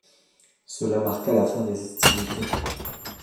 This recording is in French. Cela marqua la fin des hostilités.